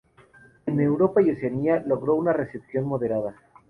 En Europa y Oceanía logró una recepción moderada.